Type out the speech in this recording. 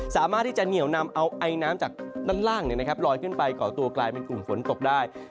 สามารถที่จะเหนียวนำเอาไอน้ำจากด้านล่างลอยขึ้นไปก่อตัวกลายเป็นกลุ่มฝนตกได้